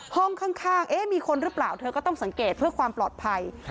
ห้องข้างมีคนหรือเปล่าเธอก็ต้องสังเกตเพื่อความปลอดภัย